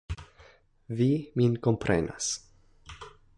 Vi min komprenas.